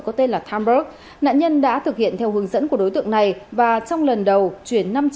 có tên là timeworks nạn nhân đã thực hiện theo hướng dẫn của đối tượng này và trong lần đầu chuyển